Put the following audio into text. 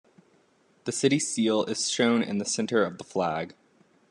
The city seal is shown in the center of the flag.